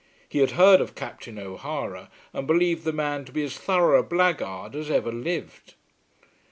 He had heard of Captain O'Hara, and believed the man to be as thorough a blackguard as ever lived.